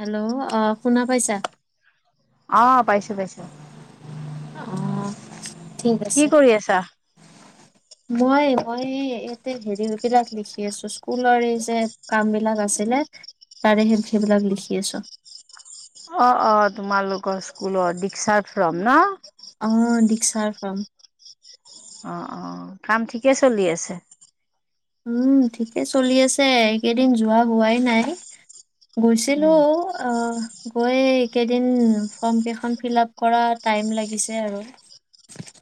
Hello অ শুনা পাইছা। আহ পাইছো -পাইছো। অ ' কি কৰি আছা? মই- মই ইয়াতে হেৰি বিলাক লিখি আছো স্কুলৰ এই যে কাম বিলাক আছিলে, তাৰে সেই সেইবিলাক লিখি আছো। অ- অ তোমালোকৰ স্কুলৰ দীক্ষাৰ ফ্ৰম ন? O দীক্ষাৰ from. অ- অ কাম ঠিকে চলি আছে। উম ঠিকেই চলি আছে এইকেইদিন যোৱা হোৱাই নাই গৈছিলো উম। গৈ এইকেইদিন ফ্ৰম কেইখন ফিল আপ কৰা টাইম লাগিছে আৰু।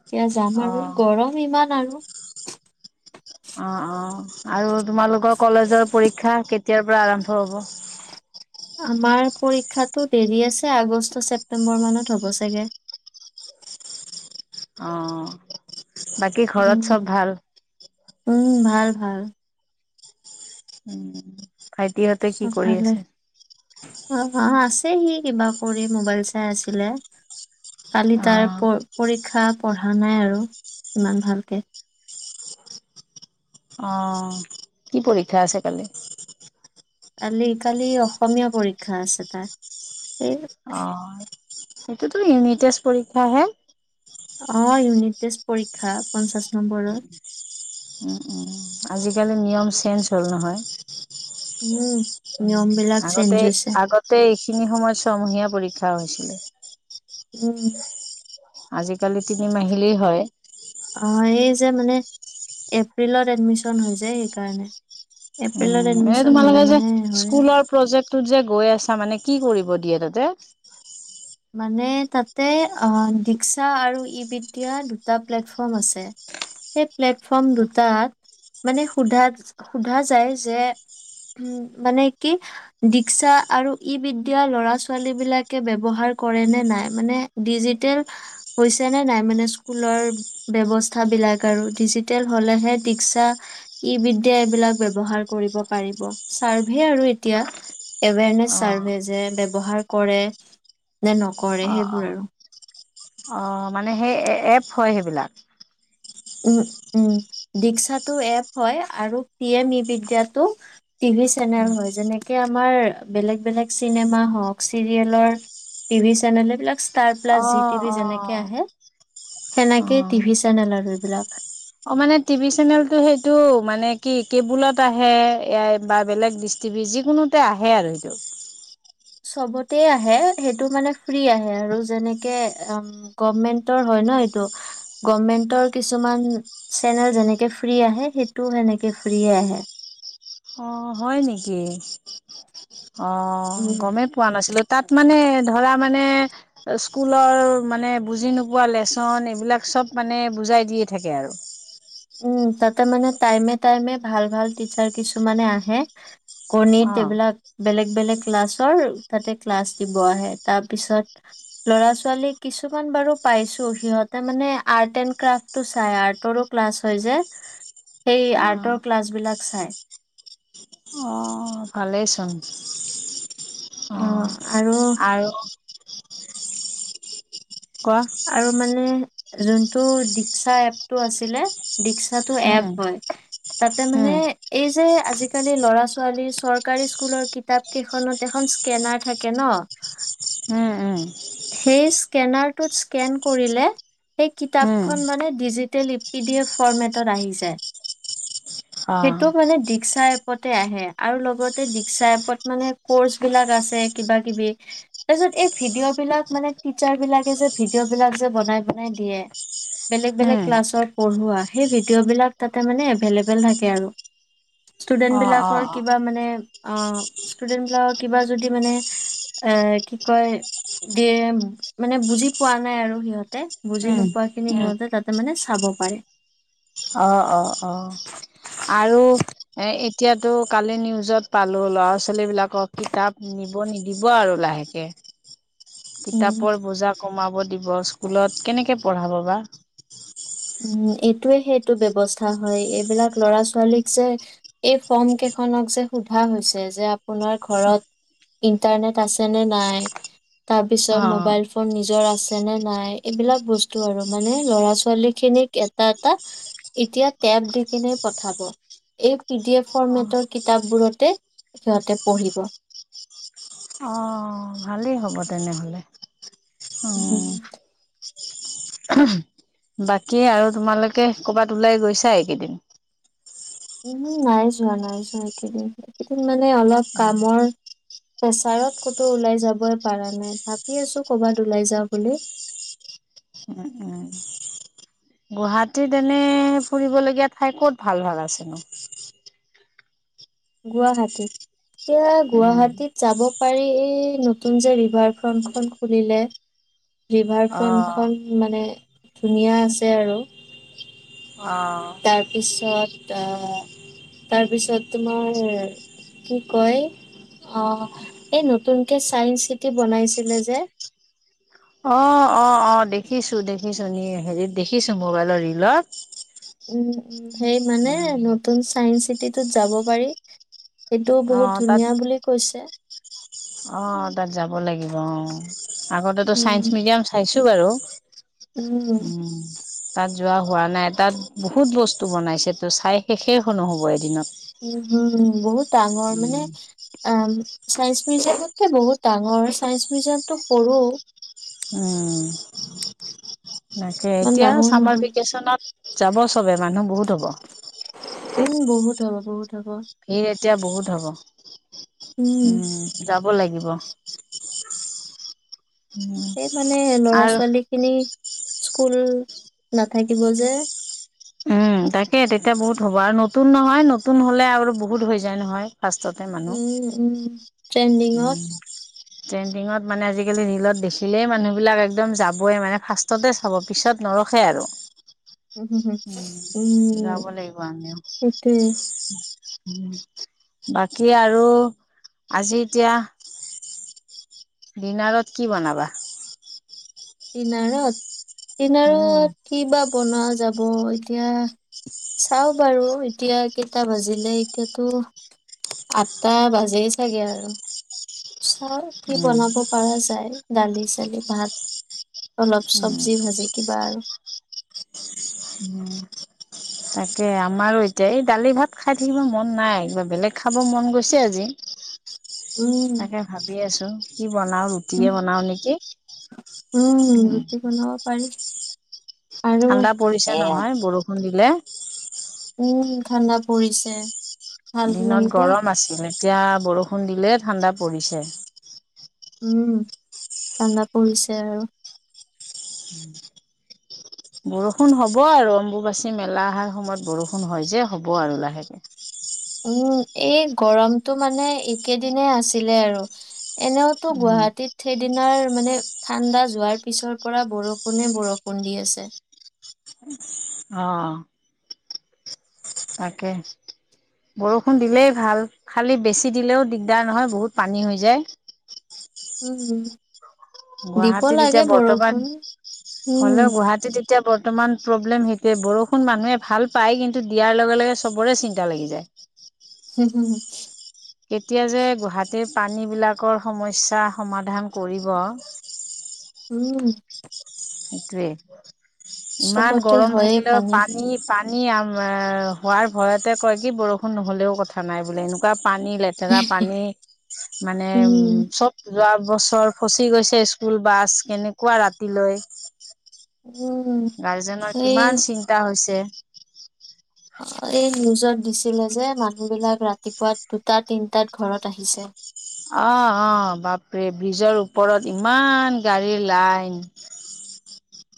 এতিয়া যাম আৰু অ'। গৰম ইমান। [unintelligible] অ' অ' আৰু তোমালোকৰ কলেজৰ পৰীক্ষা কেতিয়াৰ পৰা আৰম্ভ হ'ব? আমাৰ পৰীক্ষাটো দেৰি আছে আগষ্ট ছেপ্তেম্বৰ মানত হ'ব চাগে। অ' বাকী ঘৰত উম চব ভাল? উম ভাল -ভাল। উম, ভাইটিহঁতে কি চব কৰি ভালে আছে? অ আছেহি কিবা কৰি মোবাইল চাই আছিলে কালি তাৰ অ' পৰীক্ষা শিক্ষা পঢ়া নাই আৰু ইমান ভালকে অ কি পৰীক্ষা আছে কালি কালি কালি অসমীয়া পৰীক্ষা আছে তাৰ অ' সেই সেইটোতো ইউনিটেষ্ট পৰীক্ষাহে অঁ ইউনিট টেষ্ট পৰীক্ষা পঞ্চাছ নম্বৰৰ আজিকালি নিয়ম চেঞ্জ হ'ল নহয় উম নিয়ম বিলাক চেঞ্জ আগতে হৈছে আগতে এইখিনি সময়ত ছয়মহীয়া পৰীক্ষা বাওঁ হৈছিলে উম আজিকালি তিনি মাহিলি হয় অ' এই মানে এপ্ৰিল এডমিচন হৈছে সেইকাৰণে এপ্ৰিলত উম এ এডমিশন হ'লে তোমালোকে যে মানে হয় আৰু। স্কুলৰ প্ৰজেক্টটোত যে গৈ আছা মানে কি কৰিব দিয়ে তাতে মানে তাতে আহ ডৰিক্সা আৰু ই বিদ্যা দুটা প্লেটফৰ্ম আছে সেই প্লেটফৰ্ম দুটাত মানে সোধা সোধা যায় যে উ মানে কি ডিক্সা আৰু ই বিদ্যা ল'ৰা ছোৱালী বিলাকে ব্যৱহাৰ কৰে নে নাই মানে ডিজিটেল হৈছে নে নাই মানে স্কুলৰ ব্যৱস্থাবিলাক আৰু ডিজিটেল হলেহে ডিস্কা ই বিদ্যা এইবিলাক ব্যৱহাৰ কৰিব পাৰিব চাৰ্ভে আৰু এতিয়া এৱেনেছ অ চাৰ্ভে যে ব্যৱহাৰ কৰে। নে নকৰে অ অ সেইবোৰ আৰু অ মানে সেই এপ হয় সেইবিলাক উম উম দীস্কাটো এপ হয় আৰু পি এম ই বিদ্যটো টিভি চেনেল হয় যেনেকে আমাৰ বেলেগ বেলেগ চিনেমা হওক চিৰিয়েলৰ টিভি চেনেল এইবিলাক ষ্টাৰ প্লাছ অ জি টিভি অ যেনেকে আহে অ সেনেকে টিভি চেনেলৰ সেবিলাক অ মানে টিভি চেনেলটো সেইটো মানে কি কেবুলত আহে বা বেলেগ ডিষ্টটিভি যিকোনোতে আহে আৰু সেইটো চবতে আহে সেইটো মানে ফ্ৰী আহে আৰু যেনেকে গভমেণ্টৰ হয় ন এইটো গভমেণ্টৰ কিছুমান চেনেল যেনেকে ফ্ৰী আহে সেইটোও সেনেকে ফ্ৰিয়েই আহে অ হয় নেকি অ উম গমেই পোৱা নাছিলো তাত মানে ধৰা মানে স্কুলৰ মানে বুজি নোপোৱা লেচন এইবিলাক সব মানে বুজাই দিয়ে থাকে আৰু উম তাতে মানে টাইমে টাইমে ভাল ভাল টিচাৰ কিছুমানে আহে কৰ্ণীত অ এইবিলাক বেলেগ বেলেগ ক্লাছৰ তাতে ক্লাছ দিব আহে তাৰ পিছত ল'ৰা ছোৱালী কিছুমান বাৰু পাইছো সিহঁতে মানে আৰ্ট এণ্ড ক্ৰাফ্টটো চাই আৰ্টৰো ক্লাছ হয় যে সেই অ আৰ্টৰ ক্লাছবিলাক চাই অ কালেইচোন অ আৰু আৰু কোৱা আৰু মানে যোনটো দী্স্কা এপটো আছিলে দিক্সাটো উম এপ হয় তাতে মানে উম এই যে আজিকালি ল'ৰা ছোৱালীৰ চৰকাৰী স্কুলৰ কিতাপ কেইখনত এখন স্কেনাৰ থাকে ন উম উম সেই স্কেনাৰটোত স্কেন কৰিলে সেই উম কিতাপখন মানে digital E P D F ফৰৰ্মেটত আহি যায় অ সেইটো মানে দি দিকসা এপতে আহে আৰু লগতে দী্ক্ষা এপত মানে কৰ্চ বিলাক আছে কিবা কিবি তাৰ পিছত এই ভিডিঅ'। এইবিলাক মানে টিচাৰ বিলাকে যে ভিডিঅ'বিলাক যে বনাই বনাই দিয়ে, বেলেগ বেলেগ উম ক্লাছত পঢ়োৱা সেই ভিডিঅ'বিলাক তাতে মানে এভেইলেবল থাকে আৰু ষ্টুডেন্ট অ অ অ বিলাকৰ কিবা মানে ষ্টুডেন্ট বিলাকৰ কিবা যদি মানে কি কয় দিয় মানে বুজি পোৱা নাই আৰু সিহঁতে বুজি উম নোপোৱাখিনি উম সিহঁতে তাতে মানে চাব পাৰে। অ অ অ আৰু এ এতিয়াতো কালি নিউজত পালো ল'ৰা ছোৱালী বিলাকক কিতাপ নিব নিদিব আৰু লাহেকে। উম কিতাপৰ বোজা। কমাব দিব স্কুলত কেনেকৈ পঢ়াব বা। উম এইটোৱে সেইটো ব্য্ৱস্থা হয় এইবিলাক লৰা ছোৱালীক যে এই ফৰ্ম কেইখনক যে সোধা হৈছে, যে আপোনাৰ ঘৰত ইন্টাৰনেট আছে নে নাই। তাৰ পিছত অ', মোবাইল ফোন নিজৰ আছে আছে নে নাই এইবিলাক বস্তু আৰু মানে ল'ৰা ছোৱালীক খিনিক এটা, এটা এতিয়া টেপ দি কিনে পঠাব এই ই ডি এফ ফৰ্মেটৰ কিতাপবোৰতে। সিহঁতে পঢ়িব। অ ভালেই হ'ব তেনেহ'লে। অ। উম, বাকী আৰু তোমালোকে কৰ'বাত ওলাই গৈছা এইকেইদিন। উমম নাই যোৱা, নাই যোৱা এইকেইদিন। মানে অলপ কামৰ প্ৰেছাৰত ক'তো ওলাই যাবই পাৰা নাই। ভাবি আছো ক'বাত ওলাই যাওঁ বুলি। উ উম গুৱাহাটীত এনে ফুৰিবলগীয়া ঠাই ক'ত ভাল ভাল আছেনো? গুৱাহাটী। এতিয়া উম, গুৱাহাটীত যাব। পাৰি এই নতুন যে ৰিভাৰ ফ্ৰন্টখন খুলিলে। ৰিভাৰ অ', ফ্ৰণ্টখন মানে ধুনীয়া আছে আৰু অ', তাৰপিছত আহ তাৰ পিছত তোমাৰ, কি কয় অ এই নতুন চাইন্স চিটি বনাইছিলে যে অ, অ, অ দেখিছো দেখিছো হেৰিত দেখিছো মোবাইলৰ ৰিলত। উম। সেই মানে নতুন চাইন্স ত যাব পাৰি। এইটোও বহুত অ', তাত ধুনীয়া বুলি কৈছে। অ। তাত যাব লাগিব অ আগতেটো চাইন্স উম মিউজিয়াম চাইছো। টো বাৰু। উম। তাত যোৱা হোৱা নাই, তাত বহুত বস্তু বনাইছেতো চাই শেষে হ নহ'ব এদিনত। উ, হম বহুত ডাঙৰ মানে উম, এ, ছাইন্স মিউজিয়ামকে বহুত ডাঙৰ, ছাইন্স মিউজিয়ামতটো সৰু। উম, এনেকে ইমান এতিয়া ডাঙৰ চামাৰ নহয় ভেকেশচনত যাব চবে মানুহ বহুত হ'ব। উম, বহুত হ'ব বহুত হব। ভিৰ এতিয়া বহুত হ'ব। উম, যাওক যাব লাগিব। উম, সেই মানে আৰু ল'ৰা-ছোৱালী খিনি স্কুল নাথাকিব যে। উম, তাকে তেতিয়া বহুত হ'ব আৰু নতুন নহয় নতুন হলে আৰু বহুত হৈ যায় নহয়। ফাৰ্ষ্টতে মানুহ উম-উম ট্ৰেণ্ডিংত। উম, ট্ৰেণ্ডিঙত মানে আজিকালি ৰীলত দেখিলেই মানুহবিলাক একদম যাবই মানে ফাৰ্ষ্টতে চাব পিছত নৰখে আৰু। উম, হম, উম, অ' উম, যাব লাগিব আমিও সেইটোৱে। বাকী আৰু আজি এতিয়া? ডিনাৰত কি বনাবা? ডিনাৰত, উম, ডিনাৰত কি বা বনোৱা যাব হ'ব এতিয়া চাও বাৰু এতিয়া কেইটা বাজিলে এতিয়াতো আঠটা বাজেই চাগে আৰু। চাও কি উম, বনাব পৰা যায়। দালি-চালি ভাত। অলপ চবজী ভাজি কিবা আৰু। উম, তাকে আমাৰো এতিয়া এই দালি ভাত খাই থাকিব মন নাই, কিবা বেলেগ খাব মন গৈছে আজি। উম তাকে ভাবি আছো কি বনাও ৰুটিয়ে উম বনাও নেকি? উম, ৰুটি বনাব পাৰি। আৰু ঠাণ্ডা পৰিছে এয়া নহয় বৰষুণ বৰষুণ দিলে উম, ঠাণ্ডা পৰিছে। ভাল দিনত লাগিব গৰম আছিলে? এতিয়া বৰষুণ দিলে ঠাণ্ডা পৰিছে। উম, ঠাণ্ডা পৰিছে আৰু। বৰষুণ হ'ব আৰু অম্বুবাচী মেলা অহাৰ সময়ত বৰষুণ হয় যে হ'ব আৰু লাহেকে। উ, এই গৰমটো মানে একেদিনাই আছিলে আৰু এনেওতো উম, গুৱাহাটীত সেইদিনাৰ মানে ঠাণ্ডা যোৱাৰ পিছৰ পৰা বৰষুণে, বৰষুণ দি আছে। অ' তাকে বৰষুণ দিলেই ভাল খালী বেছি দিলেও দিগদাৰ নহয় বহুত পানী হৈ যায় উম হম গুৱাহাটীত এতিয়া বৰ্তমান হ'লেও উম গুৱাহাটীত এতিয়া বৰ্তমান প্ৰব্লেম সেইটোৱে বৰষুণ মানুহে ভাল পায় কিন্তু দিয়াৰ লগে লগে চবৰে চিন্তা লাগি যায়। উম হুমু‌ [inaudible] এতিয়া যে গুৱাহাটীৰ পানীবিলাকৰ সমস্যা সমাধান কৰিব‌। উম‌ সেইটোৱে ইমান চবতে গৰম হয়ে থাকিলে পানী প‌ানী আাননিম [inaudible] হোৱাৰ ভয়তে কয় কি বৰষুণ নহ'লেও কথা নাই বোলে এনেকুৱা‌ পানী লেতেৰা পানী মানে উম, উ চব যোৱা বছৰ ফচি গৈছে স্কুল বাছ। কেনেকুৱা ৰাতিলৈ [unintelligible] উম, গাৰ্জেনৰ কিমান চিন্তা হৈছে অ' এই নিউজত দিছে। ছিলে যে মানুহবিলাক ৰাতিপুৱা দুটা তিনটাত ঘৰত আহিছে অ অ বাপৰে ব্ৰিজৰ ওপৰত ইমান গাড়ীৰ লাইন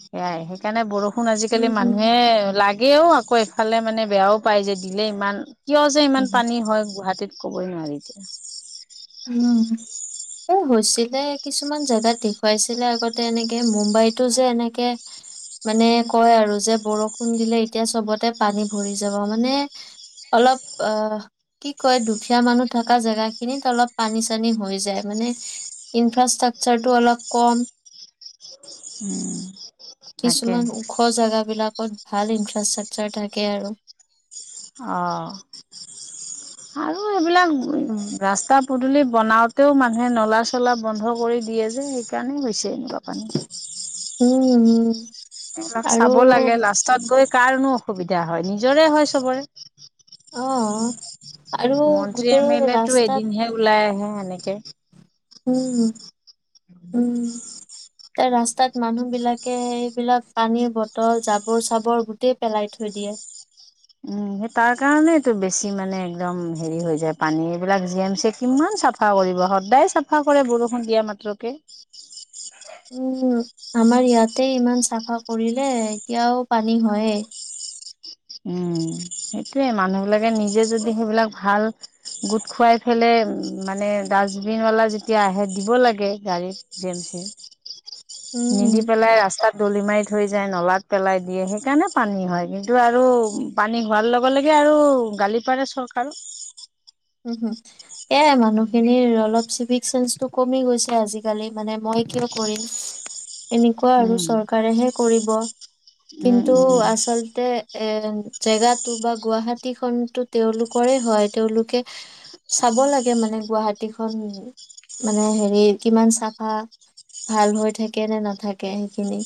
সেয়াই সেইকাৰণে বৰষুণ‌ ফোন আজিকালি উম, মানুহে লাগ আগেও আকৌ এফালে মানে বেয়াও পায় যে দিলে ইমান কিয় যে ইমান পানী হয় গুৱাহাটীত কবই নোৱাৰী উম এই হৈছিলে কিছুমান জেগাত দেখুৱাইছিলে আগতে এনেকে মুম্বাইতো যে এনেকে মানে কয় আৰু যে বৰষুণ দিলে এতিয়া চবতে পানী ভৰি যাব মানে অলপ আহ কি কয় দুখীয়া মানুহ থকা জেগা খিনিত অলপ পানী চানী হৈ যায় মানে ইনফ্ৰাষ্ট্ৰাকচাৰটো অলপ কম উম তাকে কিছুমান ওখ জেগাবিলাক বহুত ভাল ইনফ্ৰাষ্ট্ৰাকচাৰ থাকে আৰু অঁ আৰু এইবিলাক ৰাস্তা পদূলি বনাওঁতেও মানুহে নলা চলা বন্ধ কৰি দিয়ে যে সেইকাৰণে হৈছে এনেকুৱা পানী উম উম এইবিলাক আৰু চাব লাগে লাষ্টত গৈ‌ কাৰণো অসুবিধা হয় নিজৰে হয় চবৰে অ আৰু মন্ত্ৰী গোটেই এম এল এ তটো ৰাস্তাত এদিনহে ওলাই আহে সনেকে উ উম এয়া ৰাস্তাত মানুহবিলাকে সেইবিলাক পানীৰ বটল জাবৰ চাবৰ গোটেই পেলাই থৈ দিয়ে উম সেই তাৰ কাৰণেইটো বেছি মানে একদম হেৰি হৈ যায় পানী এইবিলাক জি এম চি কিমান চাফা কৰিব সদায় চাফা কৰে বৰষুণ দিয়া মাত্ৰকে উম আমাৰ ইয়াতে ইমান চাফা কৰিলে এতিয়াও পানী হয় উম সেইটোয়ে মানুহ বিলাকে নিজে যদি সেইবিলাক ভাল গোট খুৱাই পেলে মানে ডাষ্টবিন বালা যেতিয়া আহে দিব লাগে গাড়ীত জিম চি নিদি উম। পেলাই ৰাস্তাত দলি মাৰি থৈ যায় নলাত পেলাই দিয়ে সেইকাৰণে পানী হয় কিন্তু আৰু পানী হোৱাৰ লগে লগে আৰু গালি পাৰে চৰকাৰক উম হু এ মানুহখিনিৰ অলপ চিভিক চেঞ্চটো কমি গৈছে আজিকালি মানে মই কিয় কৰিম এনেকুৱা আৰু উম চৰকাৰেহে কৰিব উম কিন্তু উম আচলতে এ জেগাটো বা গুৱাহাটী খনটো তেওঁলোকৰে হয় তেওঁলোকে চাব লাগে মানে গুৱাহাটীখন মানে হেৰি কিমান চাফা ভাল হৈ থাকে নে নাথাকে সেইখিনি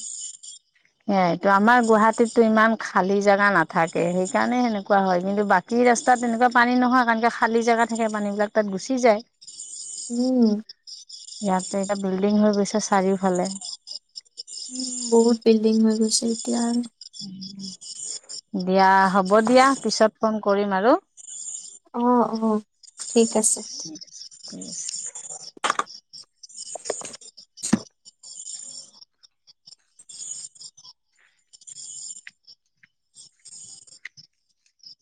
সেয়াইতো আমাৰ গুৱাহাটীততো ইমান খালী জেগা নাথাকে সেইকাৰণে সেনেকুৱা হয় কিন্তু বাকী ৰাস্তাত তেনেকুৱা পানী নহয় কাৰণে খালী জেগা থাকে পানী বিলাক তাত গুচি যায় উম ইয়াতে এটা বিল্ডিং হৈ গৈছে চাৰিওফালে উ বহুত বিল্ডিং হৈ গৈছে এতিয়া আৰু দিয়া হ'ব দিয়া পিছত ফোন কৰিম আৰু অ অ ঠিক আছে [unintelligible]